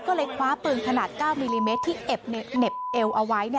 ก็เลยคว้าปืนขนาด๙มิลลิเมตรที่เหน็บเอวเอาไว้